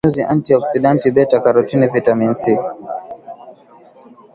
nyuzinyuzi anti oksidanti beta karotini vitamini c